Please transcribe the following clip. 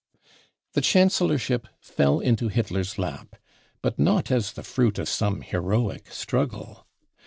The Chancellorship fell into Hitler's lap, but not as the fruit of some heroic struggle.